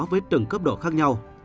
với từng cấp độ khác nhau